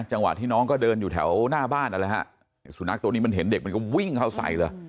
จังหวะที่น้องก็เดินอยู่แถวหน้าบ้านนั่นแหละฮะสุนัขตัวนี้มันเห็นเด็กมันก็วิ่งเข้าใส่เลย